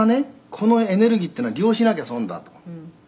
このエネルギーっていうのは利用しなきゃ損だと」